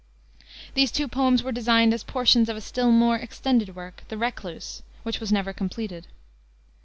These two poems were designed as portions of a still more extended work, The Recluse, which was never completed.